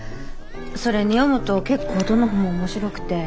それに読むと結構どの本も面白くて。